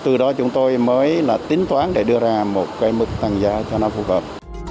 từ đó chúng tôi mới là tính toán để đưa ra một cái mức tăng giá cho nó phù hợp